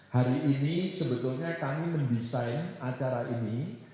hari ini sebetulnya kami mendesain acara ini